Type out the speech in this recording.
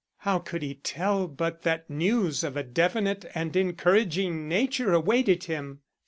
How could he tell but that news of a definite and encouraging nature awaited him?